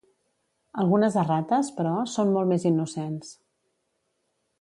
Algunes errates, però, són molt més innocents.